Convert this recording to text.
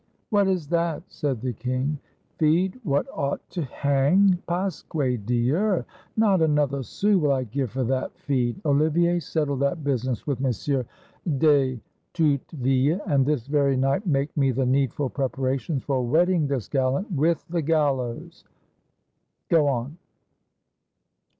"What is that?" said the king — "feed what ought to hang ! Pasque Dieu ! not another sou will I give for that feed. Olivier, settle that business with Monsieur d'Estouteville, and this very night make me the needful preparations for wedding this gallant with the gallows. Go on."